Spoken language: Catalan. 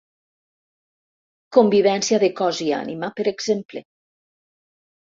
Convivència de cos i ànima, per exemple.